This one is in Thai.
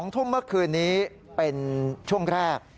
๒ทุ่มเมื่อคืนนี้เป็นช่วงแรก